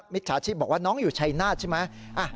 มิจฉาชีพบอกว่าน้องอยู่ชัยนาธิ์ใช่ไหม